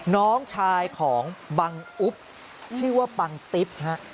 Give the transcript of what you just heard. น้องชายของบังอุ๊บชื่อว่าบังติ๊บฮะ